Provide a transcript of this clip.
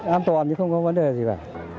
an toàn chứ không có vấn đề gì cả